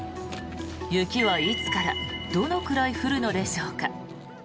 雪はいつからどのくらい降るのでしょうか。